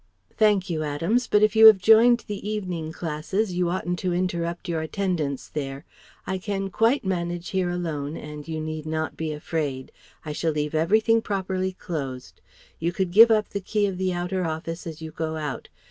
"Thank you, Adams; but if you have joined the evening classes you oughtn't to interrupt your attendance there. I can quite manage here alone and you need not be afraid: I shall leave everything properly closed. You could give up the key of the outer office as you go out.